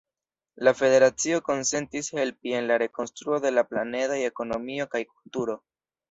La federacio konsentis helpi en la rekonstruo de la planedaj ekonomio kaj kulturo.